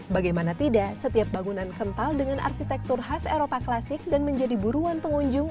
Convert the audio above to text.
bagaimana tidak setiap bangunan kental dengan arsitektur khas eropa klasik dan menjadi buruan pengunjung